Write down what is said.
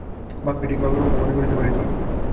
বাপকে ঠিক বাপের মতো মনে করিতে পারিত না।